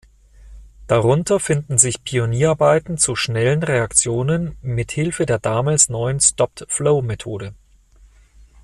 Darunter finden sich Pionierarbeiten zu schnellen Reaktionen mit Hilfe der damals neuen Stopped-Flow-Methode.